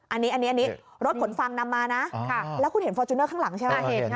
อันนี้รถขนฟังนำมานะแล้วคุณเห็นฟอร์จูเนอร์ข้างหลังใช่ไหม